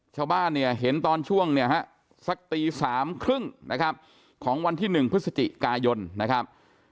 ชาวบ้านเนี่ยเห็นตอนช่วงเนี่ยฮะสักตี๓๓๐นะครับของวันที่๑พฤศจิกายนนะครับ